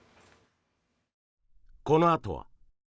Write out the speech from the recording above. このあとは。